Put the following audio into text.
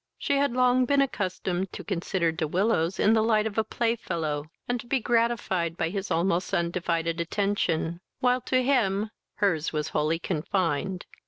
She had long been accustomed to consider De Willows in the light of a playfellow, and to be gratified by his almost undivided attention, while to him her's was wholly confined.